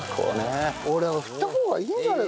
俺振った方がいいんじゃないかなと。